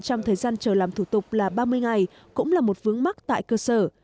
trong thời gian chờ làm thủ tục là ba mươi ngày cũng là một vướng mắt tại cơ sở